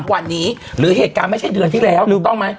วันนี้หรือเหตุการณ์ไม่ใช่เดือนที่แล้วถูกต้องไหม